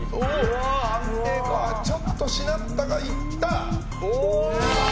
ちょっとしなったが、いった！